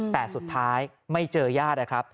แต่สุดท้ายไม่เจอญาตินะครับ